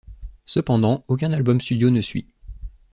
Cependant, aucun album studio ne suit.